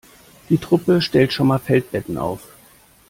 Die Truppe stellt schon mal Feldbetten auf.